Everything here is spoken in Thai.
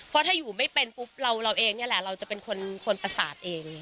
เพราะถ้าอยู่ไม่เป็นปุ๊บเราเองนี่แหละเราจะเป็นคนประสานเอง